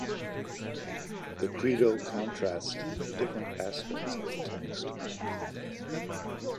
The Credo contrasts the different aspects of the text.